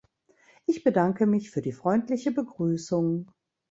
Ich bedanke mich für die freundliche Begrüßung!